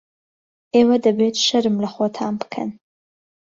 ئێوە دەبێت شەرم لە خۆتان بکەن.